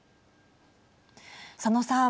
佐野さん。